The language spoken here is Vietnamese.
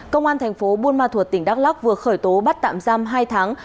công an tp buôn ma thuột tỉnh đắk lóc vừa khởi tố bắt tạm giam hai tháng